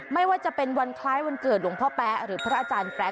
ไม่ว่าจะเป็นวันคล้ายวันเกิดหลวงพ่อแป๊ะหรือพระอาจารย์แป๊